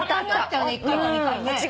１回か２回ね。